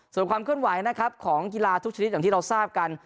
ส่วนความเคลื่อนไหวนะครับของกีฬาทุกชนิดอย่างที่เราทราบกัน